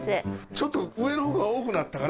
ちょっと上の方が多くなったから。